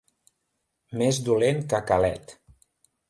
Més dolent que Calet.